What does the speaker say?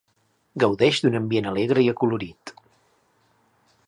Gaudeix d'un ambient alegre i acolorit.